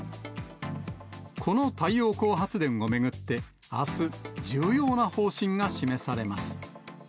この太陽光発電を巡って、あす、重要な方針が示されます。